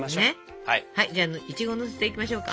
じゃあいちごをのせていきましょうか。